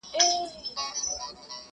موږ په دې ساحل کي آزمېیلي توپانونه دي!.